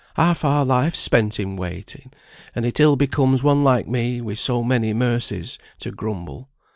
Half our life's spent in waiting, and it ill becomes one like me, wi' so many mercies, to grumble.